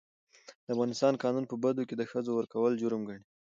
د افغانستان قانون په بدو کي د ښځو ورکول جرم ګڼي.